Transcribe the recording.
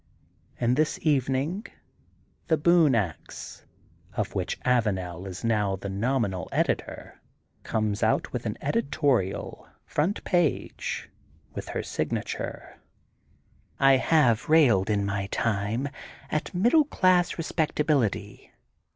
And this evening The Boone Ax, of which Avanelis now the nominal editor, comes out with an editorial, front page, with her signature: — ^''I have railed in my time at middle class respect ability.